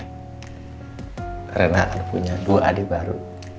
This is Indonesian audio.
karena akan punya dua adik baru